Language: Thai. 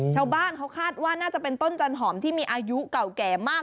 ชาวบ้านเขาคาดว่าน่าจะเป็นต้นจันหอมที่มีอายุเก่าแก่มาก